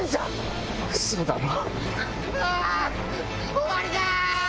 終わりだ！